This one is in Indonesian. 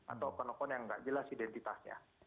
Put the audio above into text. atau open akun yang nggak jelas identitasnya